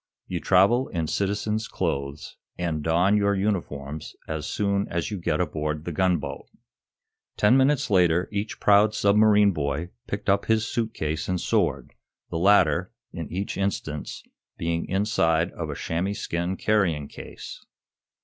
You travel in citizen's clothes, and don your uniforms as soon as you get aboard the gunboat." Ten minutes later each proud submarine boy picked up his suit case and sword, the latter, in each instance, being inside of a chamois skin carrying case.